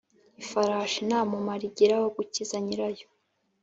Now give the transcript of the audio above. Ifarashi nta mumaro igira wo gukiza nyirayo